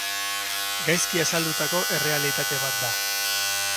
Gaizki azaldutako errealitate bat da.